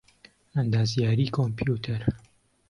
ئەندازیاریی کۆمپیوتەر